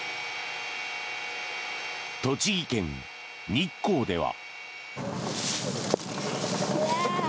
栃木県日光では。